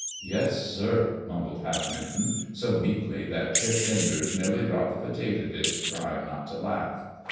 "Yes, sir," mumbled Hap Newton, so meekly that Chick Enders nearly dropped the potato dish, trying not to laugh.